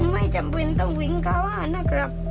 ไม่จำเป็นต้องวิ่งเขานะครับ